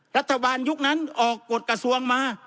รัฐบาลยุคนั้นออกกฎกระทรวงมา